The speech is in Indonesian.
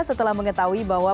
setelah mengetahui bahwa